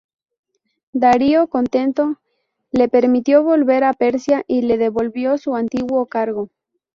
Darío, contento, le permitió volver a Persia y le devolvió su antiguo cargo.